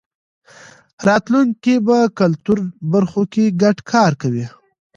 راتلونکی کې به کلتوري برخو کې ګډ کار کوی.